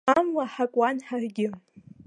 Амла ҳакуан ҳаргьы.